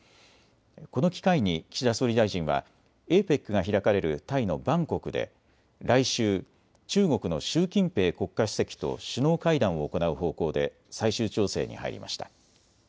この機会に岸田総理大臣はＡＰＥＣが開かれるタイのバンコクで来週、中国の習近平国家主席と首脳会談を行う方向で最終調整に入りました。